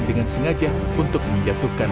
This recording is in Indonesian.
dengan sengaja untuk menjatuhkan